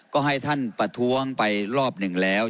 ก็ให้ท่านประท้วงไปรอบหนึ่งแล้ว